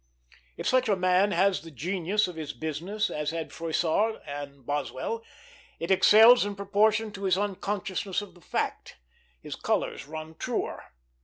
If such a man has the genius of his business, as had Froissart and Boswell, he excels in proportion to his unconsciousness of the fact; his colors run truer.